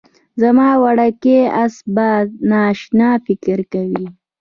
زما وړوکی اس به نا اشنا فکر کوي